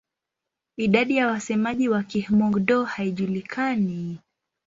Idadi ya wasemaji wa Kihmong-Dô haijulikani.